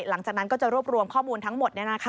หลังจากนั้นก็จะรวบรวมข้อมูลทั้งหมด